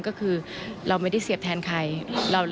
ก็คือเราไม่ได้เสียบแทนใคร